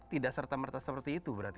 tidak serta merta seperti itu berarti